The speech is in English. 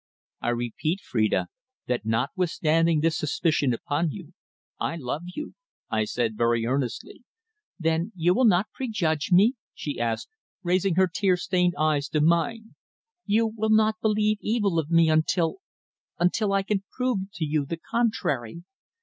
"I repeat, Phrida, that notwithstanding this suspicion upon you, I love you," I said very earnestly. "Then you will not prejudge me!" she asked, raising her tear stained eyes to mine. "You will not believe evil of me until until I can prove to you the contrary.